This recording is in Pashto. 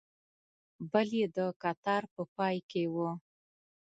بل یې د کتار په پای کې و.